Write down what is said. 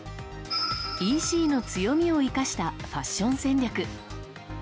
ＥＣの強みを生かしたファッション戦略。